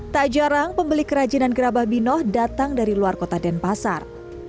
tak jarang pembeli kerajinan gerabah binoh datang dari luar kota denpasar